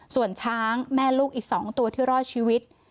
ส่วนช้างแม่ลูกอีก๒ตัวที่รอดชีวิต